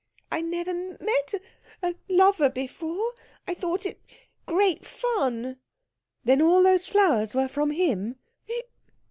"I never met a a lover before I thought it great fun." "Then all those flowers were from him?"